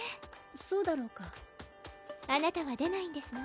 そうだろうかあなたは出ないんですの？